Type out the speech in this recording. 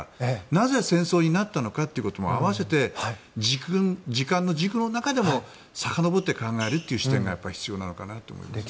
なぜ、戦争になったのかということも併せて時間の軸の中でもさかのぼって考える視点がやっぱり必要なのかなと思いますね。